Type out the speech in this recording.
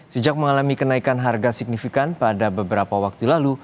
sejak mengalami kenaikan harga signifikan pada beberapa waktu lalu